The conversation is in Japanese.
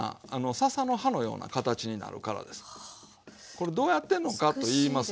これどうやってんのかっていいますと。